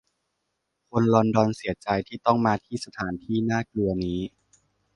คนลอนดอนเสียใจที่ต้องมาที่สถานที่น่ากลัวนี้